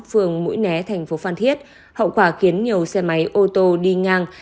phường mũi né tp phan thiết hậu quả khiến nhiều xe máy ô tô đi ngang